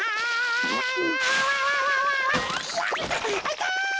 いた！